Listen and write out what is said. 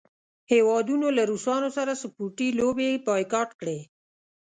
هیوادونو له روسانو سره سپورټي لوبې بایکاټ کړې.